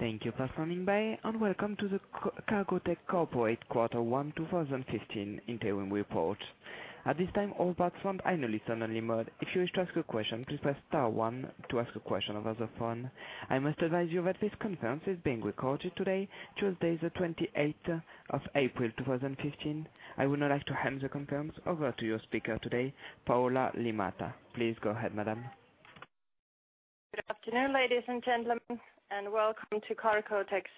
Thank you for standing by, and welcome to the Cargotec Corporate Quarter One 2015 Interim Report. At this time, all participants are in a listen only mode. If you wish to ask a question, please press star one to ask a question over the phone. I must advise you that this conference is being recorded today, Tuesday the twenty-eighth of April 2015. I would now like to hand the conference over to your speaker today, Paula Liimatta. Please go ahead, madam. Good afternoon, ladies and gentlemen, welcome to Cargotec's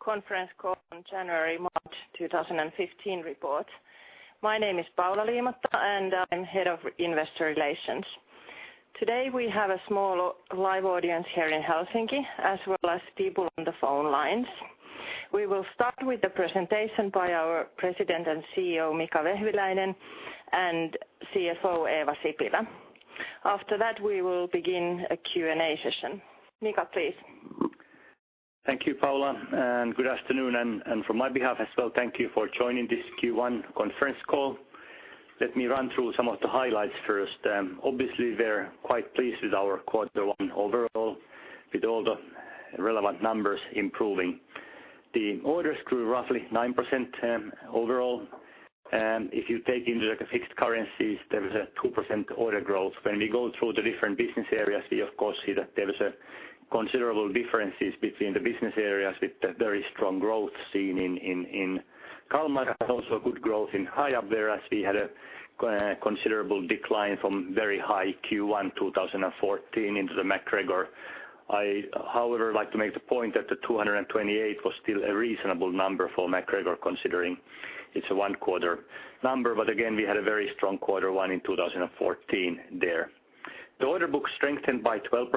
conference call on January-March 2015 report. My name is Paula Liimatta, and I'm Head of Investor Relations. Today, we have a small live audience here in Helsinki as well as people on the phone lines. We will start with the presentation by our President and CEO, Mika Vehviläinen, and CFO, Eeva Sipilä. After that, we will begin a Q&A session. Mika, please. Thank you, Paula, and good afternoon. From my behalf as well, thank you for joining this Q1 conference call. Let me run through some of the highlights first. Obviously, we're quite pleased with our Q1 overall, with all the relevant numbers improving. The orders grew roughly 9% overall. If you take into the fixed currencies, there was a 2% order growth. When we go through the different business areas, we of course see that there was a considerable differences between the business areas with a very strong growth seen in Kalmar, and also good growth in Hiab. We had a considerable decline from very high Q1 2014 into the MacGregor. I, however, like to make the point that the 228 was still a reasonable number for MacGregor, considering it's a one quarter number. Again, we had a very strong quarter one in 2014 there. The order book strengthened by 12%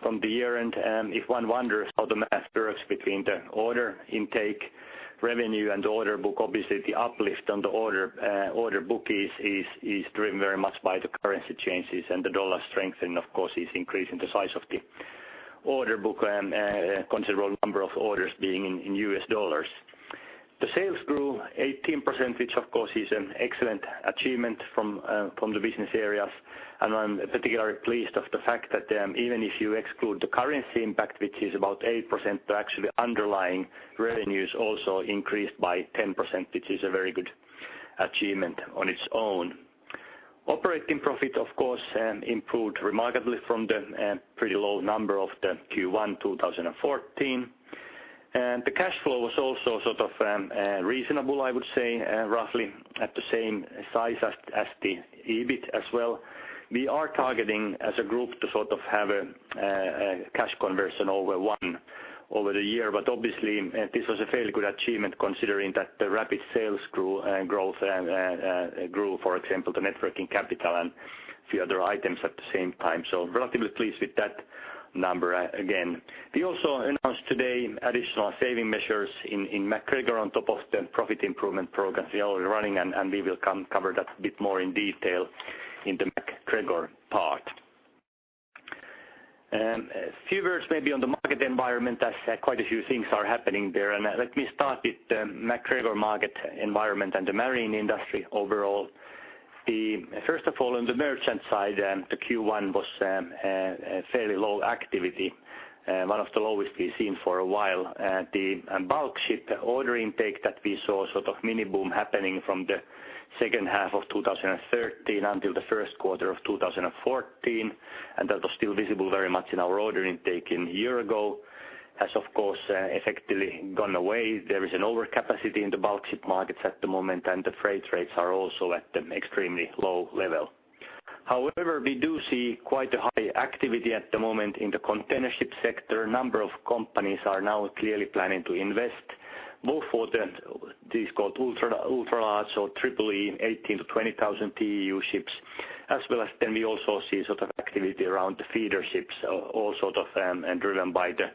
from the year-end. If one wonders how the math works between the order intake revenue and the order book, obviously the uplift on the order book is driven very much by the currency changes. The dollar strengthening, of course, is increasing the size of the order book, considerable number of orders being in U.S. dollars. The sales grew 18%, which of course is an excellent achievement from the business areas. I'm particularly pleased of the fact that, even if you exclude the currency impact, which is about 8%, but actually underlying revenues also increased by 10%, which is a very good achievement on its own. Operating profit, of course, improved remarkably from the pretty low number of the Q1 2014. The cash flow was also sort of reasonable, I would say, roughly at the same size as the EBIT as well. We are targeting as a group to sort of have a cash conversion over one over the year. Obviously, this was a fairly good achievement considering that the rapid sales growth grew, for example, the net working capital and a few other items at the same time. Relatively pleased with that number again. We also announced today additional saving measures in MacGregor on top of the profit improvement programs we are already running, and we will cover that a bit more in detail in the MacGregor part. A few words maybe on the market environment, as quite a few things are happening there. Let me start with the MacGregor market environment and the marine industry overall. First of all, on the merchant side, the Q1 was a fairly low activity, one of the lowest we've seen for a while. The bulk ship order intake that we saw sort of mini boom happening from the second half of 2013 until the first quarter of 2014, and that was still visible very much in our order intake in a year ago, has of course effectively gone away. There is an overcapacity in the bulk ship markets at the moment, and the freight rates are also at an extremely low level. We do see quite a high activity at the moment in the container ship sector. A number of companies are now clearly planning to invest more for the, these called ultra large or Triple-E, 18,000-20,000 TEU ships. As well as then we also see sort of activity around the feeder ships, all sort of, and driven by the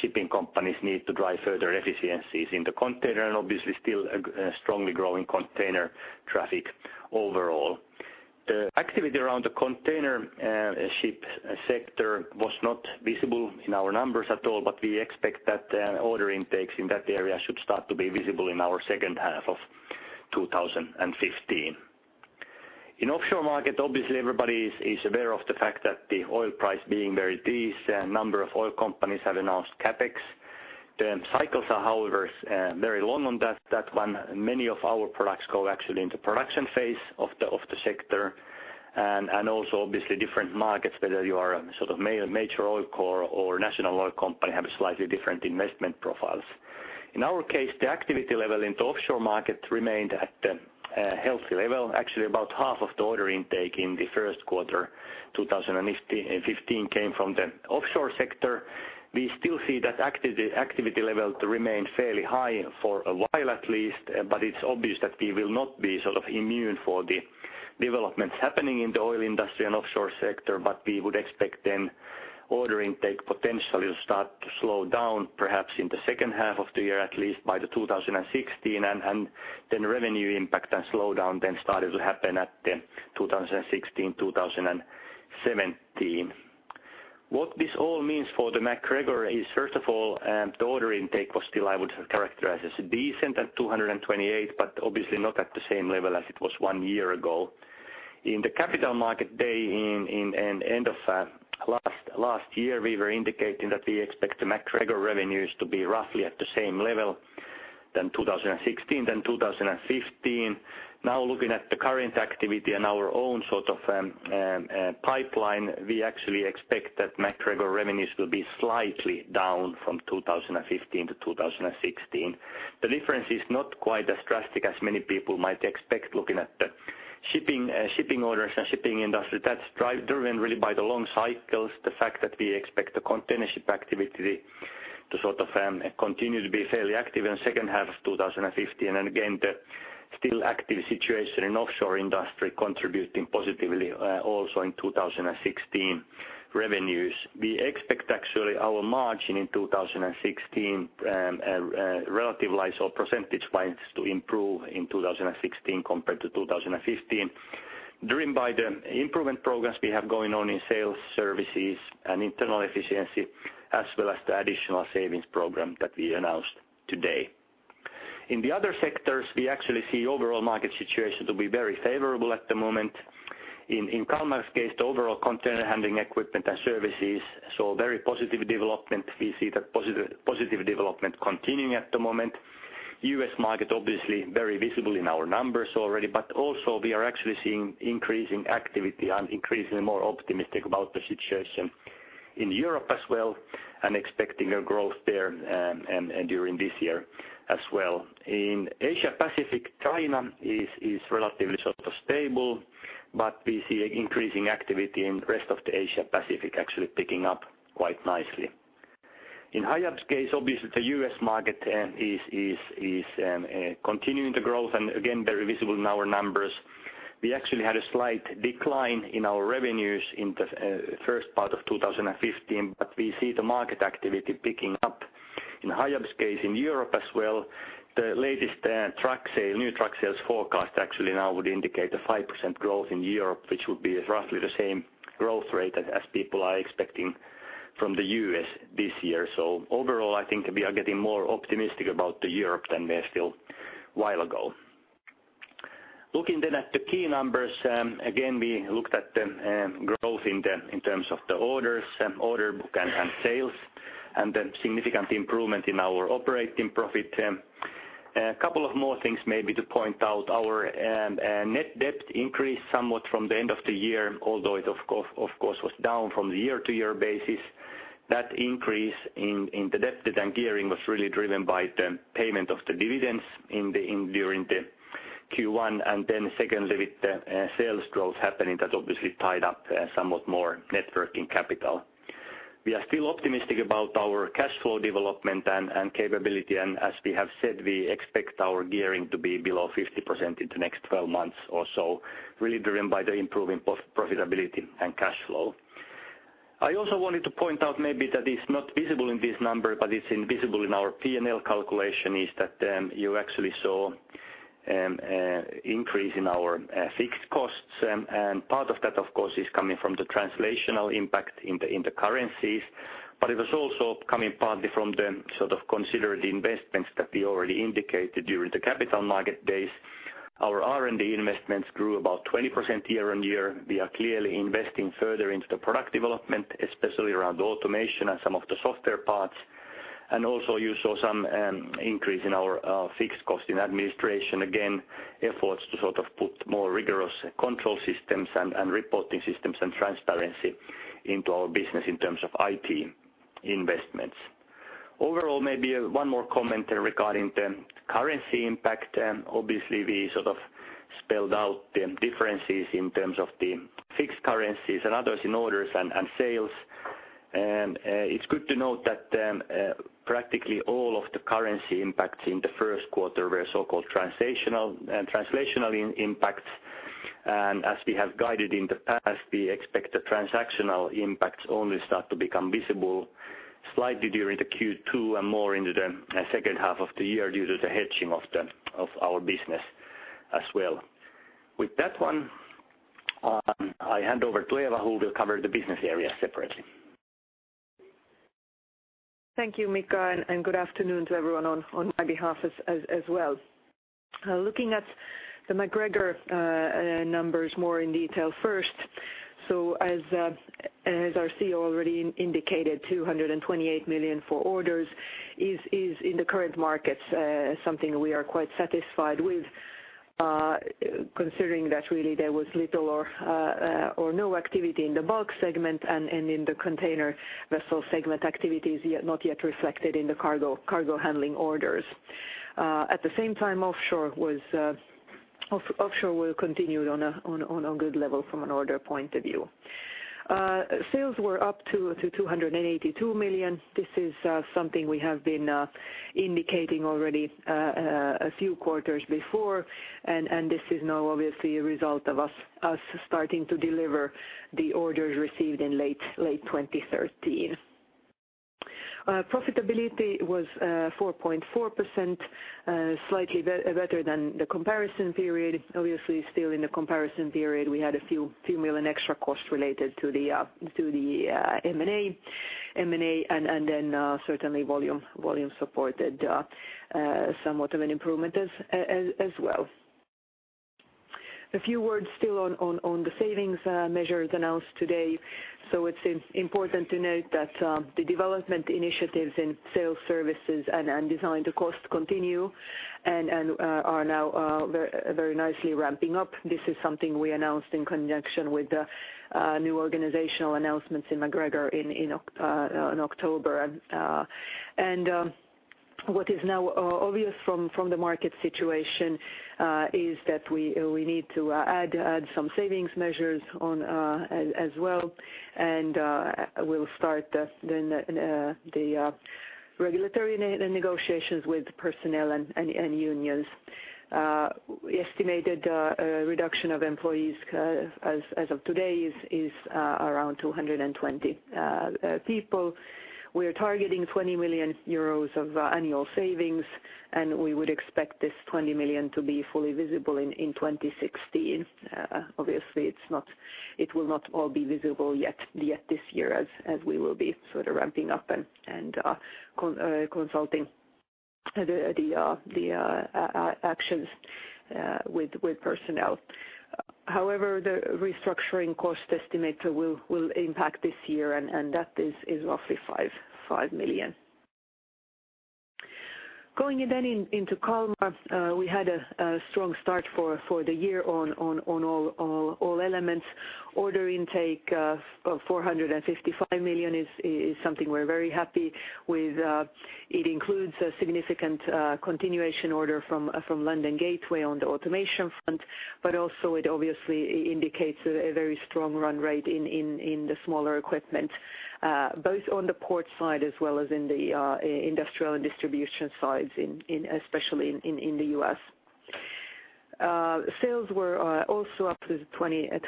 shipping companies' need to drive further efficiencies in the container and obviously still a strongly growing container traffic overall. The activity around the container ship sector was not visible in our numbers at all. We expect that order intakes in that area should start to be visible in our second half of 2015. In offshore market, obviously everybody is aware of the fact that the oil price being very decent, a number of oil companies have announced CapEx. The cycles are, however, is very long on that one. Many of our products go actually into production phase of the sector. Also obviously different markets, whether you are a sort of major oil core or national oil company, have a slightly different investment profiles. In our case, the activity level in the offshore market remained at a healthy level. Actually, about half of the order intake in the first quarter 2015 came from the offshore sector. We still see that activity level to remain fairly high for a while at least. It's obvious that we will not be sort of immune for the developments happening in the oil industry and offshore sector. We would expect then order intake potentially will start to slow down perhaps in the second half of the year, at least by 2016. Revenue impact and slowdown then started to happen at the 2016, 2017. What this all means for the MacGregor is first of all, the order intake was still I would characterize as decent at 228, but obviously not at the same level as it was one year ago. In the capital market day in end of last year, we were indicating that we expect the MacGregor revenues to be roughly at the same level than 2016 and 2015. Now, looking at the current activity and our own sort of pipeline, we actually expect that MacGregor revenues will be slightly down from 2015-2016. The difference is not quite as drastic as many people might expect looking at the shipping orders and shipping industry. That's driven really by the long cycles, the fact that we expect the container ship activity to sort of continue to be fairly active in second half of 2015, and again, the still active situation in offshore industry contributing positively also in 2016 revenues. We expect actually our margin in 2016, relative-wise or percentage-wise to improve in 2016 compared to 2015, driven by the improvement programs we have going on in sales services and internal efficiency, as well as the additional savings program that we announced today. In the other sectors, we actually see overall market situation to be very favorable at the moment. In Kalmar's case, the overall container handling equipment and services saw very positive development. We see that positive development continuing at the moment. U.S. market obviously very visible in our numbers already. Also we are actually seeing increasing activity and increasing more optimistic about the situation in Europe as well, and expecting a growth there during this year as well. In Asia Pacific, China is relatively sort of stable, but we see increasing activity in the rest of the Asia Pacific actually picking up quite nicely. In Hiab's case, obviously, the U.S. market is continuing to growth and again, very visible in our numbers. We actually had a slight decline in our revenues in the first part of 2015, but we see the market activity picking up. In Hiab's case in Europe as well, the latest truck sale, new truck sales forecast actually now would indicate a 5% growth in Europe, which would be roughly the same growth rate as people are expecting from the U.S. this year. Overall, I think we are getting more optimistic about Europe than we are still a while ago. Looking at the key numbers, again, we looked at the growth in terms of the orders, order book and sales, and the significant improvement in our operating profit. A couple of more things maybe to point out. Our net debt increased somewhat from the end of the year, although it of course was down from the year-to-year basis. That increase in the debt and gearing was really driven by the payment of the dividends during the Q1. Secondly, with the sales growth happening, that obviously tied up somewhat more net working capital. We are still optimistic about our cash flow development and capability. As we have said, we expect our gearing to be below 50% in the next 12 months or so, really driven by the improving both profitability and cash flow. I also wanted to point out maybe that it's not visible in this number, but it's invisible in our P&L calculation, is that you actually saw increase in our fixed costs. Part of that, of course, is coming from the translational impact in the currencies. It was also coming partly from the sort of considered investments that we already indicated during the capital market days. Our R&D investments grew about 20% year-over-year. We are clearly investing further into the product development, especially around automation and some of the software parts. Also you saw some increase in our fixed cost in administration. Again, efforts to sort of put more rigorous control systems and reporting systems and transparency into our business in terms of IT investments. Overall, maybe one more comment regarding the currency impact. Obviously, we sort of spelled out the differences in terms of the fixed currencies and others in orders and sales. It's good to note that practically all of the currency impacts in the first quarter were so-called translational impact. As we have guided in the past, we expect the transactional impacts only start to become visible slightly during the Q2 and more into the second half of the year due to the hedging of our business as well. With that one, I hand over to Eeva Sipilä, who will cover the business area separately. Thank you, Mika, and good afternoon to everyone on my behalf as well. Looking at the MacGregor numbers more in detail first. As our CEO already indicated, 228 million for orders is in the current markets, something we are quite satisfied with, considering that really there was little or no activity in the bulk segment and in the container vessel segment activities yet, not yet reflected in the cargo handling orders. At the same time, offshore will continue on a good level from an order point of view. Sales were up to 282 million. This is something we have been indicating already a few quarters before. This is now obviously a result of us starting to deliver the orders received in late 2013. Profitability was 4.4%, slightly better than the comparison period. Obviously, still in the comparison period, we had a few million EUR extra costs related to the M&A. M&A and then certainly volume supported somewhat of an improvement as well. A few words still on the savings measures announced today. It's important to note that the development initiatives in sales services and design to cost continue and are now very nicely ramping up. This is something we announced in connection with the new organizational announcements in MacGregor in October. What is now obvious from the market situation is that we need to add some savings measures on as well. We'll start the regulatory negotiations with personnel and unions. We estimated a reduction of employees as of today is around 220 people. We are targeting 20 million euros of annual savings. We would expect this 20 million to be fully visible in 2016. Obviously it's not, it will not all be visible yet this year as we will be sort of ramping up and consulting the actions with personnel. However, the restructuring cost estimate will impact this year, and that is roughly 5 million. Going into Kalmar, we had a strong start for the year on all elements. Order intake of 455 million is something we're very happy with. It includes a significant continuation order from London Gateway on the automation front. It obviously indicates a very strong run rate in the smaller equipment, both on the port side as well as in the industrial and distribution sides especially in the U.S. Sales were also up to 21%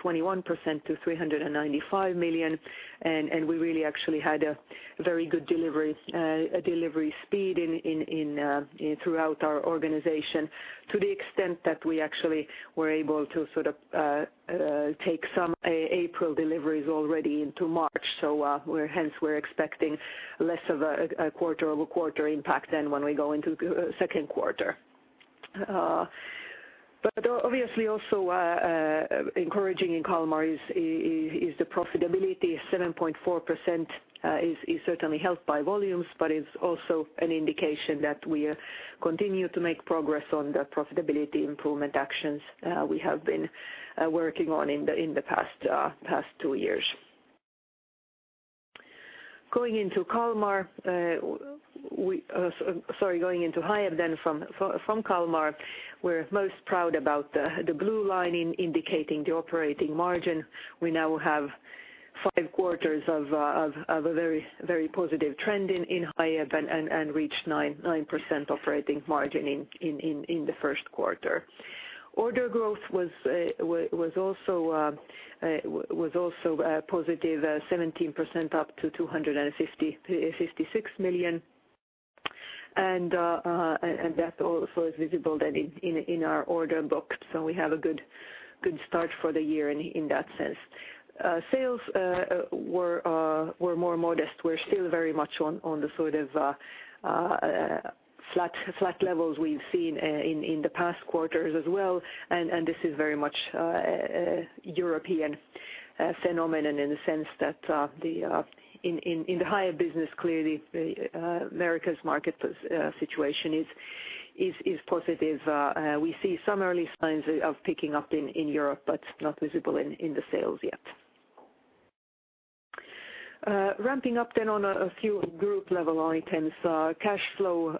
to 395 million, and we really actually had a very good delivery speed throughout our organization to the extent that we actually were able to sort of take some April deliveries already into March. Hence we're expecting less of a quarter-over-quarter impact than when we go into second quarter. Obviously also encouraging in Kalmar is the profitability. 7.4% is certainly helped by volumes, but it's also an indication that we continue to make progress on the profitability improvement actions we have been working on in the past two years. Going into Kalmar, sorry, going into Hiab then from Kalmar, we're most proud about the blue line indicating the operating margin. We now have five quarters of a very, very positive trend in Hiab and reached 9% operating margin in the first quarter. Order growth was also positive 17% up to 256 million. That also is visible then in our order books, so we have a good start for the year in that sense. Sales were more modest. We're still very much on the sort of flat levels we've seen in the past quarters as well, and this is very much a European phenomenon in the sense that the in the Hiab business, clearly the America's market situation is positive. We see some early signs of picking up in Europe, but not visible in the sales yet. Ramping up then on a few group level items. Cash flow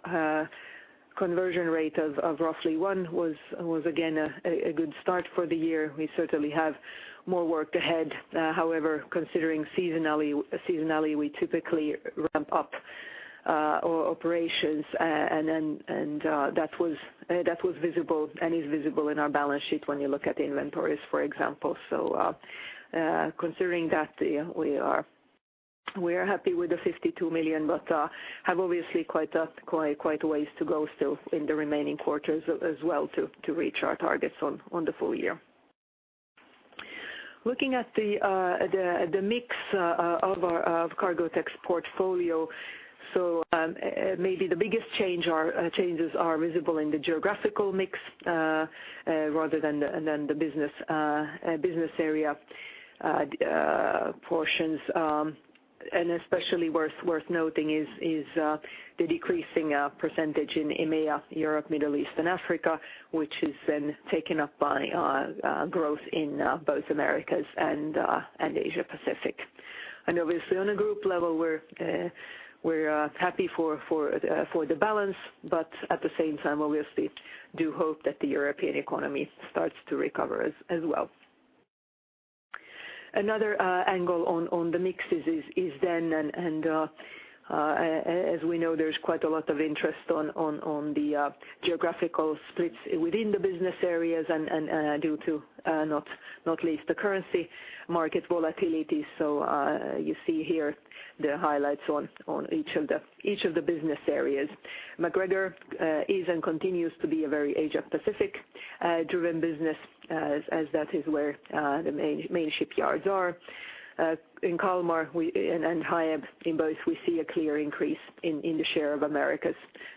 conversion rate of roughly one was again a good start for the year. We certainly have more work ahead. However, considering seasonally, we typically ramp up operations, and then, that was visible and is visible in our balance sheet when you look at inventories, for example. Considering that, we are happy with 52 million, but have obviously quite a ways to go still in the remaining quarters as well to reach our targets on the full year. Looking at the mix of Cargotec's portfolio, maybe the biggest change are changes are visible in the geographical mix rather than the business area portions. Especially worth noting is the decreasing percentage in EMEA, Europe, Middle East and Africa, which is then taken up by growth in both Americas and Asia Pacific. Obviously on a group level, we're happy for the balance, but at the same time, obviously do hope that the European economy starts to recover as well. Another angle on the mixes is then and as we know, there's quite a lot of interest on the geographical splits within the business areas and due to not least the currency market volatility. You see here the highlights on each of the business areas. MacGregor is and continues to be a very Asia Pacific driven business, as that is where the main shipyards are. In Kalmar we and Hiab, in both we see a clear increase in the share of Americas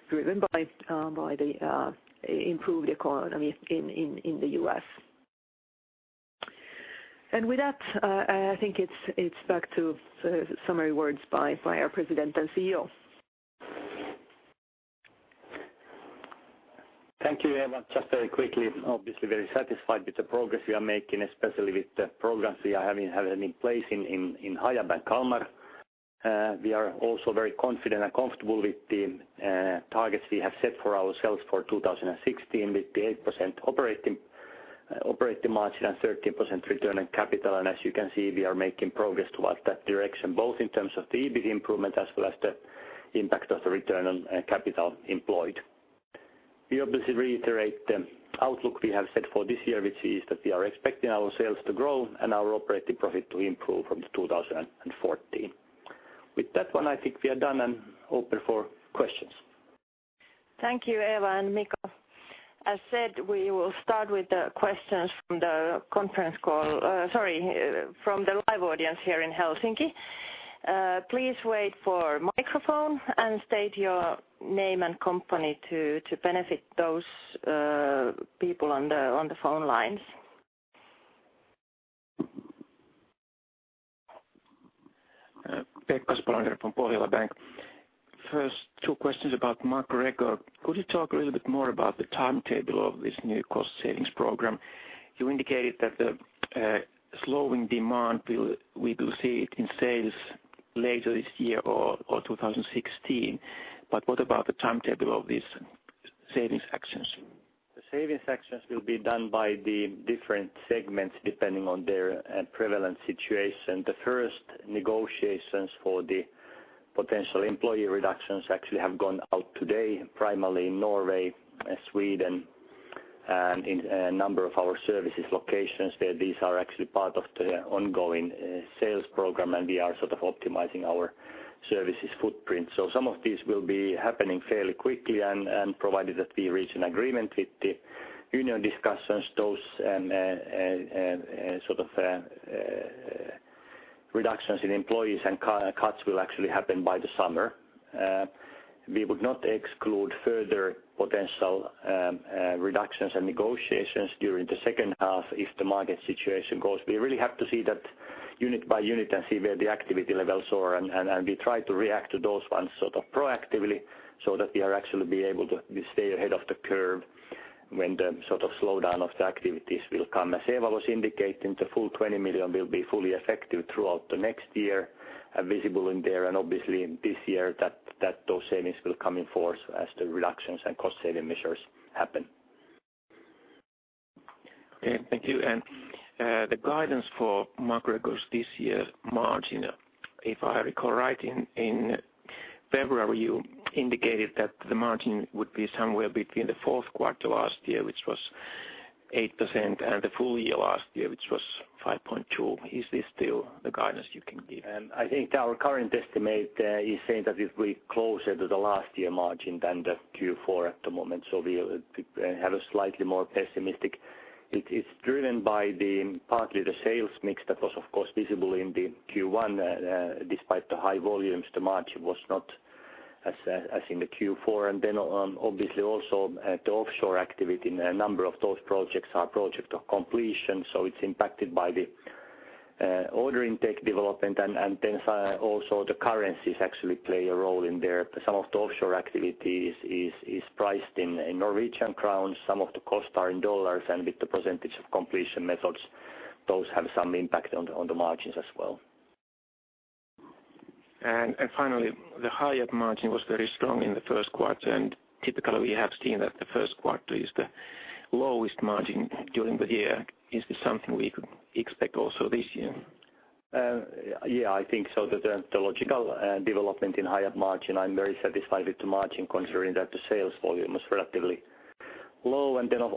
driven by the improved economy in the U.S. With that, I think it's back to the summary words by our President and CEO. Thank you, Eeva. Just very quickly, obviously very satisfied with the progress we are making, especially with the progress we are having in place in Hiab and Kalmar. We are also very confident and comfortable with the targets we have set for ourselves for 2016 with the 8% operating margin and 13% return on capital. As you can see, we are making progress towards that direction, both in terms of the EBIT improvement as well as the impact of the return on capital employed. We obviously reiterate the outlook we have set for this year, which is that we are expecting our sales to grow and our operating profit to improve from 2014. With that one, I think we are done and open for questions. Thank you, Eeva and Mika. As said, we will start with the questions from the conference call, sorry, from the live audience here in Helsinki. Please wait for microphone and state your name and company to benefit those people on the phone lines. Pekka Spolander from Pohjola Bank. First, two questions about MacGregor. Could you talk a little bit more about the timetable of this new cost savings program? You indicated that the slowing demand we will see it in sales later this year or 2016. What about the timetable of these savings actions? The savings actions will be done by the different segments depending on their prevalent situation. The first negotiations for the potential employee reductions actually have gone out today, primarily in Norway and Sweden, and in a number of our services locations where these are actually part of the ongoing sales program, and we are sort of optimizing our services footprint. Some of these will be happening fairly quickly and provided that we reach an agreement with the union discussions, those, sort of, reductions in employees and co-cuts will actually happen by the summer. We would not exclude further potential reductions and negotiations during the second half if the market situation goes. We really have to see that unit by unit and see where the activity levels are and we try to react to those ones sort of proactively so that we are actually be able to stay ahead of the curve when the sort of slowdown of the activities will come. As Eeva was indicating, the full 20 million will be fully effective throughout the next year, visible in there, and obviously in this year that those savings will come in force as the reductions and cost saving measures happen. Okay. Thank you. The guidance for MacGregor's this year margin, if I recall right, in February, you indicated that the margin would be somewhere between the fourth quarter last year, which was 8%, and the full year last year, which was 5.2%. Is this still the guidance you can give? I think our current estimate is saying that it'll be closer to the last year margin than the Q4 at the moment. We'll have a slightly more pessimistic. It is driven by partly the sales mix that was of course visible in the Q1. Despite the high volumes, the margin was not as in the Q4. Obviously also the offshore activity. A number of those projects are percentage of completion, so it's impacted by the order intake development and then also the currencies actually play a role in there. Some of the offshore activities is priced in NOK. Some of the costs are in dollars, and with the percentage of completion methods, those have some impact on the margins as well. Finally, the Hiab margin was very strong in the first quarter, and typically we have seen that the first quarter is the lowest margin during the year. Is this something we could expect also this year? Yeah, I think so that the logical development in Hiab margin, I'm very satisfied with the margin considering that the sales volume was relatively low.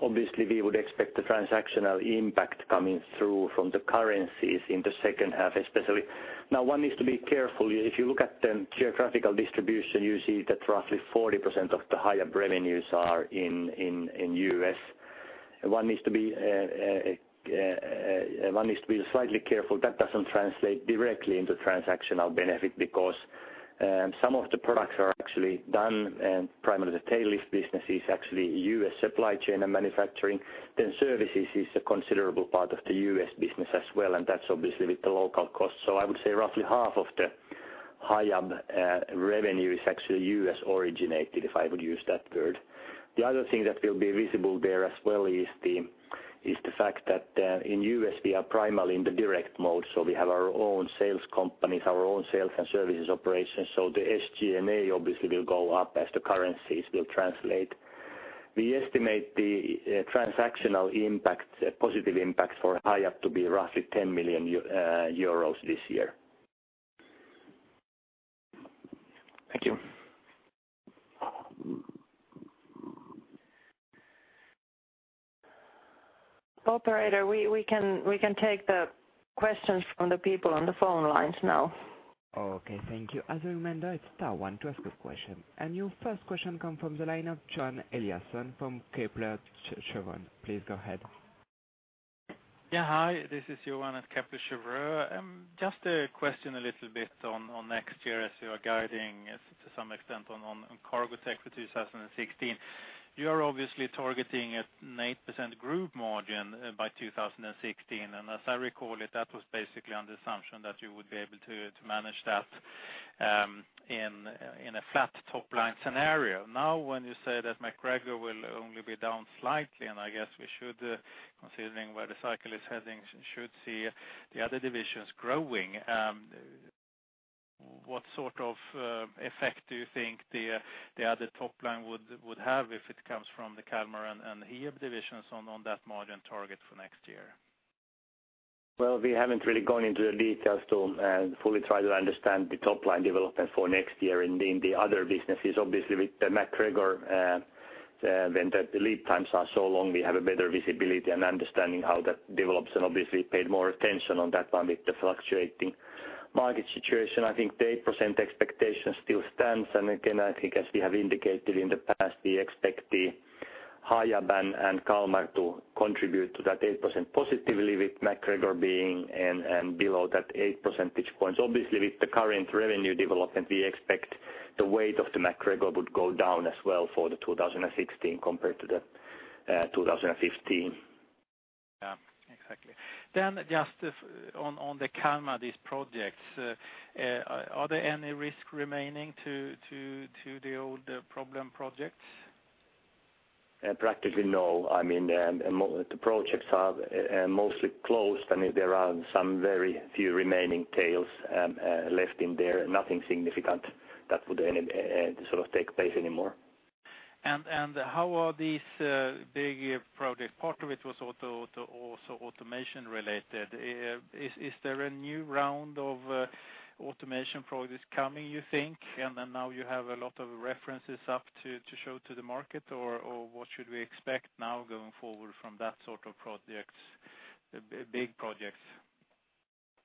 Obviously we would expect the transactional impact coming through from the currencies in the second half especially. One needs to be careful. If you look at the geographical distribution, you see that roughly 40% of the Hiab revenues are in, in U.S. One needs to be slightly careful that doesn't translate directly into transactional benefit because some of the products are actually done, and primarily the tail lift business is actually U.S. supply chain and manufacturing. Services is a considerable part of the U.S. business as well, and that's obviously with the local costs. I would say roughly half of the Hiab revenue is actually U.S. originated, if I would use that word. The other thing that will be visible there as well is the fact that in U.S. we are primarily in the direct mode. We have our own sales companies, our own sales and services operations. The SG&A obviously will go up as the currencies will translate. We estimate the transactional impact, positive impact for Hiab to be roughly 10 million euros this year. Thank you. Operator, we can take the questions from the people on the phone lines now. Okay, thank you. As a reminder, it's star one to ask a question. Your first question come from the line of Johan Eliason from Kepler Cheuvreux. Please go ahead. Hi, this is Johan at Kepler Cheuvreux. Just a question a little bit on next year as you are guiding to some extent on Cargotec for 2016. You are obviously targeting an 8% group margin by 2016. As I recall it, that was basically on the assumption that you would be able to manage that in a flat top-line scenario. When you say that MacGregor will only be down slightly, and I guess we should, considering where the cycle is heading, should see the other divisions growing. What sort of effect do you think the other top line would have if it comes from the Kalmar and Hiab divisions on that margin target for next year? Well, we haven't really gone into the details to fully try to understand the top-line development for next year in the, in the other businesses. Obviously, with the MacGregor, when the lead times are so long, we have a better visibility and understanding how that develops, and obviously paid more attention on that one with the fluctuating market situation. I think the 8% expectation still stands. Again, I think as we have indicated in the past, we expect the Hiab and Kalmar to contribute to that 8% positively with MacGregor being in and below that 8 percentage points. Obviously, with the current revenue development, we expect the weight of the MacGregor would go down as well for the 2016 compared to the 2015. Yeah. Exactly. Just if on the Kalmar, these projects, are there any risk remaining to the old problem projects? Practically, no. I mean, the projects are mostly closed. I mean, there are some very few remaining tails left in there. Nothing significant that would any sort of take place anymore. How are these big project? Part of it was auto-auto, also automation related. Is there a new round of automation projects coming, you think? Now you have a lot of references up to show to the market or what should we expect now going forward from that sort of projects, big projects?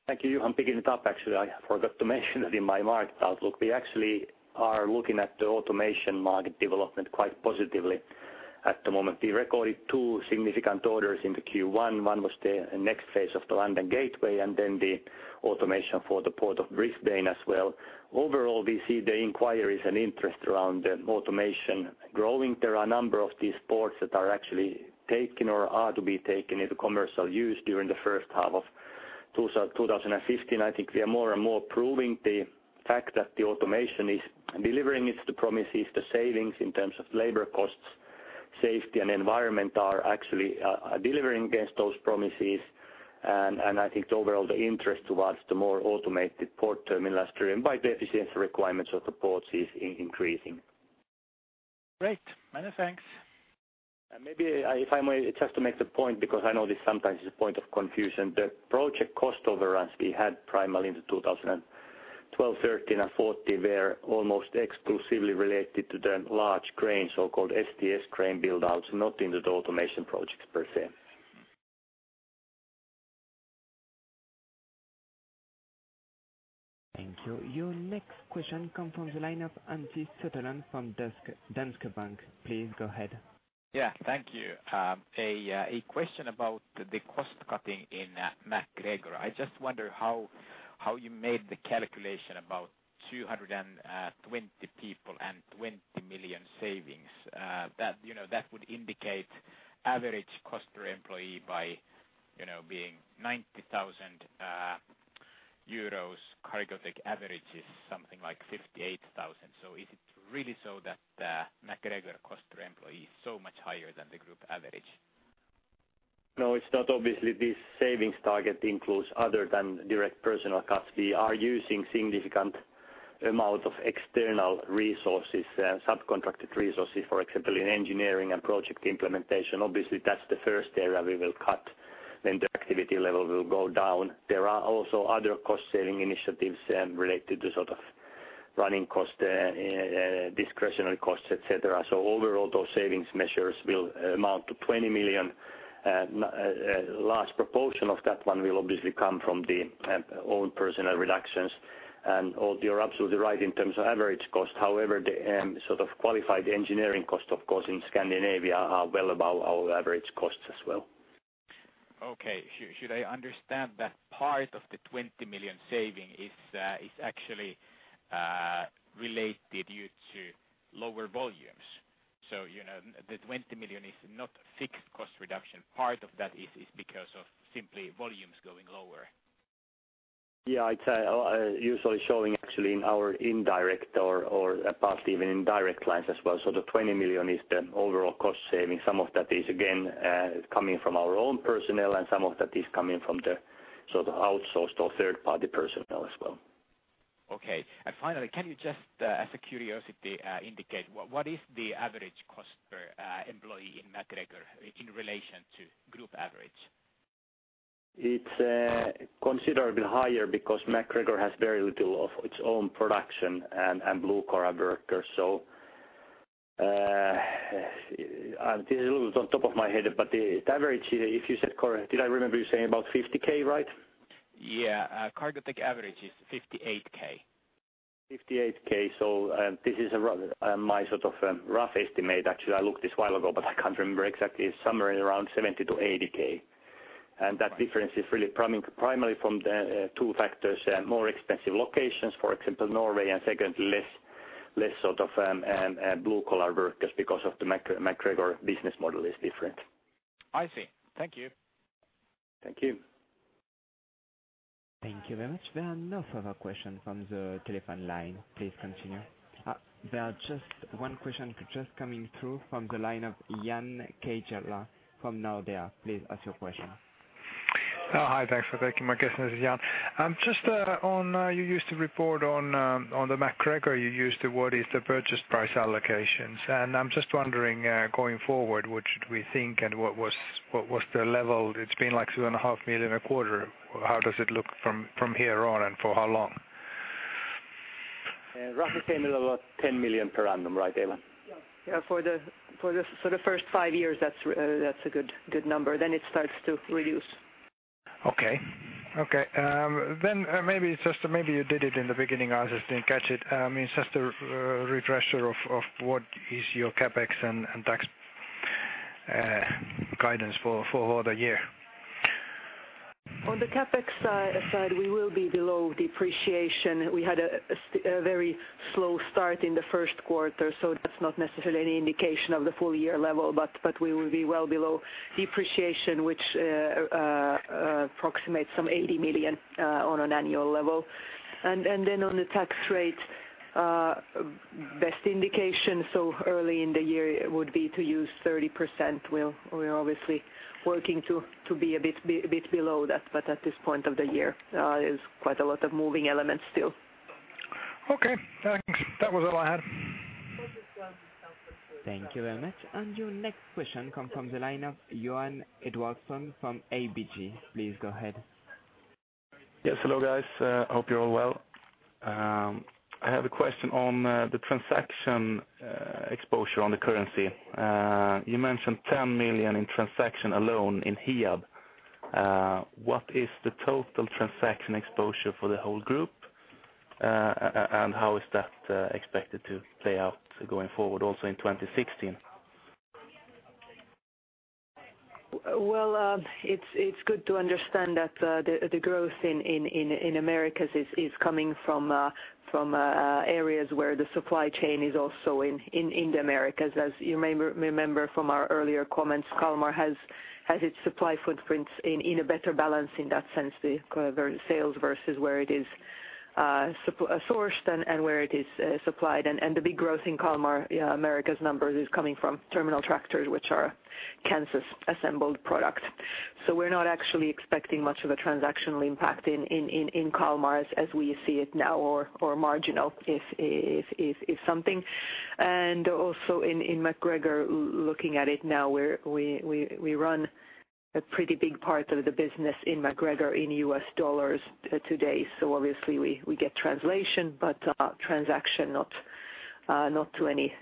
Thank you, Johan. Picking it up, actually, I forgot to mention that in my market outlook. We actually are looking at the automation market development quite positively at the moment. We recorded two significant orders into Q1. One was the next phase of the London Gateway, the automation for the Port of Brisbane as well. Overall, we see the inquiries and interest around automation growing. There are a number of these ports that are actually taken or are to be taken into commercial use during the first half of 2015. I think we are more and more proving the fact that the automation is delivering its promises. The savings in terms of labor costs, safety and environment are actually delivering against those promises. I think the overall interest towards the more automated port terminal, as driven by the efficiency requirements of the ports, is increasing. Great. Many thanks. Maybe if I may just to make the point, because I know this sometimes is a point of confusion. The project cost overruns we had primarily in 2012, 2013, and 2014 were almost exclusively related to the large crane, so-called STS crane build-outs, not in the automation projects per se. Thank you. Your next question comes from the line of Antti Suttelin from Danske Bank. Please go ahead. Thank you. A question about the cost cutting in MacGregor. I just wonder how you made the calculation about 220 people and 20 million savings. That, you know, that would indicate average cost per employee by, you know, being 90,000 euros. Cargotec average is something like 58,000. Is it really so that MacGregor cost per employee is so much higher than the group average? No, it's not. Obviously, this savings target includes other than direct personal costs. We are using significant amount of external resources, subcontracted resources, for example, in engineering and project implementation. Obviously, that's the first area we will cut when the activity level will go down. There are also other cost saving initiatives, related to sort of running costs, discretionary costs, et cetera. Overall, those savings measures will amount to 20 million. Large proportion of that one will obviously come from the own personnel reductions. All, you're absolutely right in terms of average cost. However, the sort of qualified engineering cost, of course, in Scandinavia are well above our average costs as well. Okay. Should I understand that part of the 20 million saving is actually related due to lower volumes? You know, the 20 million is not fixed cost reduction. Part of that is because of simply volumes going lower. It's usually showing actually in our indirect or a part even in direct lines as well. The 20 million is the overall cost saving. Some of that is again, coming from our own personnel, and some of that is coming from the sort of outsourced or third-party personnel as well. Okay. Finally, can you just, as a curiosity, indicate what is the average cost per employee in MacGregor in relation to group average? It's considerably higher because MacGregor has very little of its own production and blue-collar workers. This is a little bit on top of my head, but the average, if you said correct, did I remember you saying about 50k, right? Yeah. Cargotec average is 58 thousand. 58 thousand. This is a rough my sort of rough estimate, actually. I looked this while ago, but I can't remember exactly. It's somewhere in around 70 thousand-80 thousand. That difference is really primarily from the two factors, more expensive locations, for example, Norway, and second, less sort of blue-collar workers because of the MacGregor business model is different. I see. Thank you. Thank you. Thank you very much. There are no further questions from the telephone line. Please continue. There are just 1 question coming through from the line of Jaakko Kero from Nordea. Please ask your question. Hi. Thanks for taking my question. This is Jan. Just on you used to report on on the MacGregor, you used the word, is the purchase price allocations. I'm just wondering going forward, what should we think and what was, what was the level? It's been like two and a half million a quarter. How does it look from here on and for how long? roughly EUR 10 to about 10 million per annum. Right, Eeva? Yeah, for the, so the first five years, that's a good number. It starts to reduce. Okay. Okay. maybe just, maybe you did it in the beginning, I just didn't catch it. It's just a refresher of what is your CapEx and tax guidance for the year. On the CapEx side, we will be below depreciation. We had a very slow start in the first quarter, so that's not necessarily any indication of the full year level, but we will be well below depreciation, which approximates some 80 million on an annual level. Then on the tax rate, best indication so early in the year would be to use 30%. We're obviously working to be a bit below that, but at this point of the year, is quite a lot of moving elements still. Okay, thanks. That was all I had. Thank you very much. Your next question come from the line of Johan Edvardsson from ABG. Please go ahead. Yes, hello, guys. Hope you're all well. I have a question on the transaction exposure on the currency. You mentioned 10 million in transaction alone in Hiab. What is the total transaction exposure for the whole group? How is that expected to play out going forward also in 2016? Well, it's good to understand that the growth in Americas is coming from areas where the supply chain is also in the Americas. As you may remember from our earlier comments, Kalmar has its supply footprints in a better balance in that sense, the sales versus where it is sourced and where it is supplied. The big growth in Kalmar Americas numbers is coming from terminal tractors, which are Kansas assembled product. We're not actually expecting much of a transactional impact in Kalmar as we see it now, or marginal if something. Also in MacGregor, looking at it now, we run a pretty big part of the business in MacGregor in U.S. dollars today. Obviously we get translation, but transaction not to any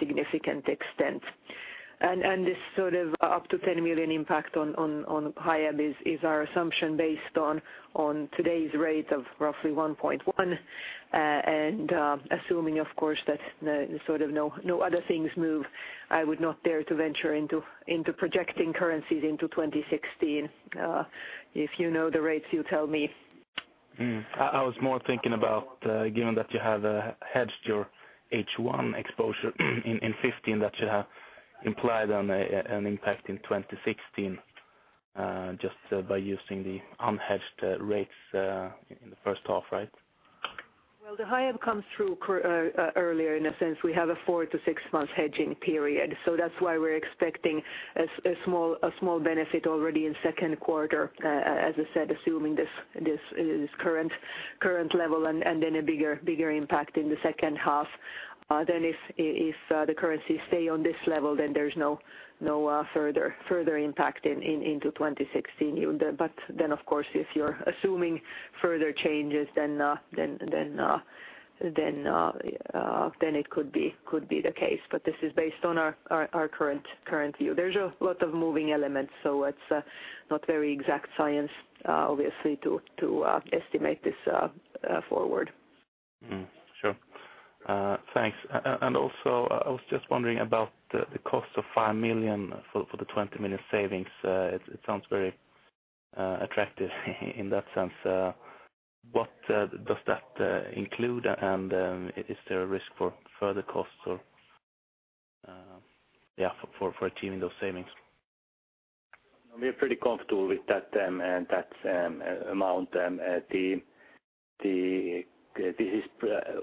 significant extent. This sort of up to 10 million impact on Hiab is our assumption based on today's rate of roughly 1.1. Assuming of course, that the sort of no other things move, I would not dare to venture into projecting currencies into 2016. If you know the rates, you tell me. I was more thinking about, given that you have hedged your H1 exposure in 2015, that you have implied on an impact in 2016, just by using the unhedged rates in the first half, right? The Hiab comes through earlier in a sense. We have a four-six month hedging period. That's why we're expecting a small benefit already in second quarter, as I said, assuming this current level and then a bigger impact in the second half. If the currency stay on this level, then there's no further impact into 2016. Of course, if you're assuming further changes, then it could be the case. This is based on our current view. There's a lot of moving elements, so it's not very exact science, obviously, to estimate this forward. Mm. Sure. Thanks. Also, I was just wondering about the cost of 5 million for the 20 million savings. It sounds very attractive in that sense. What does that include, and is there a risk for further costs or, yeah, for achieving those savings? We're pretty comfortable with that amount. This is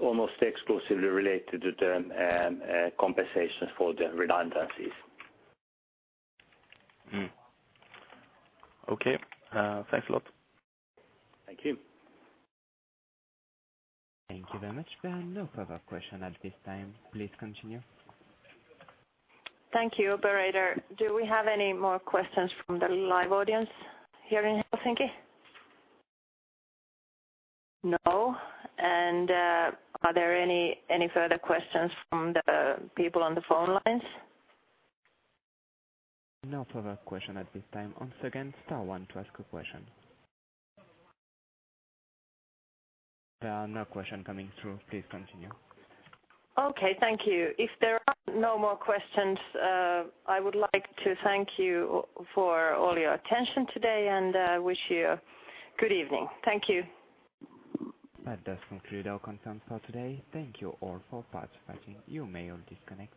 almost exclusively related to the compensations for the redundancies. Okay. Thanks a lot. Thank you. Thank you very much. There are no further questions at this time. Please continue. Thank you, operator. Do we have any more questions from the live audience here in Helsinki? No. Are there any further questions from the people on the phone lines? No further question at this time. Once again, star one to ask a question. There are no question coming through. Please continue. Okay, thank you. If there are no more questions, I would like to thank you for all your attention today and wish you good evening. Thank you. That does conclude our conference call today. Thank you all for participating. You may all disconnect.